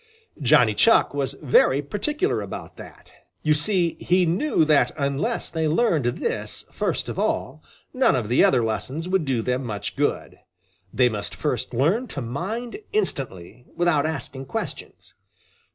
Johnny Chuck was very particular about that. You see he knew that unless they learned this first of all, none of the other lessons would do them much good. They must first learn to mind instantly, without asking questions.